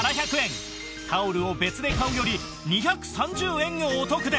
タオルを別で買うより２３０円お得です！